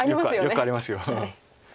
よくあります。